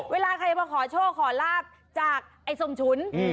เวลาใครมาขอโชคขอลาบจากไอ้ส้มฉุน